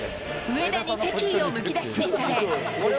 上田に敵意をむき出しにされ、Ｇｏｉｎｇ！